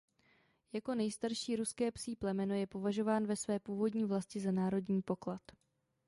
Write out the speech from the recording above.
Jako nejstarší ruské psí plemeno je považován ve své původní vlasti za národní poklad.